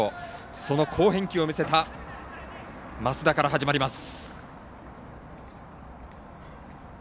その好返球を見せた増田から始まります。